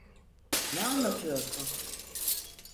Ne anlatıyorsun?